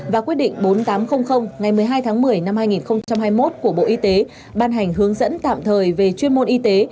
và quyết định bốn nghìn tám trăm linh ngày một mươi hai tháng một mươi năm hai nghìn hai mươi một của bộ y tế ban hành hướng dẫn tạm thời về chuyên môn y tế